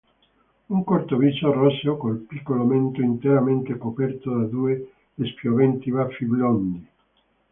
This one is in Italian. Un corto viso roseo col piccolo mento interamente coperto da due spioventi baffi biondi.